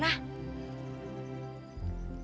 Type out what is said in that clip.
nyi arum tinggal di